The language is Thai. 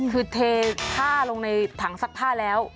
คือเทผ้าลงในถังซักผ้าแล้ว